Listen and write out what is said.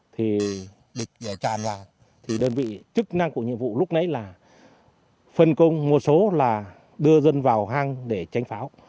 thì sau khi pháo trung quốc bắn vào thì đơn vị chức năng của nhiệm vụ lúc nãy là phân công một số là đưa dân vào hang để tránh pháo